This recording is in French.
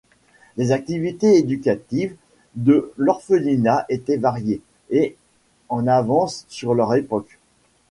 Les activités éducatives de l’orphelinat étaient variées et en avance sur leur époque.